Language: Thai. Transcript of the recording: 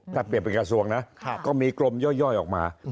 ถ้าเปลี่ยนเป็นกระทรวงนะก็มีกรมย่อยออกมา